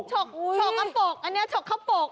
ชกข้าปกอันเนี้ยชกเข้าปก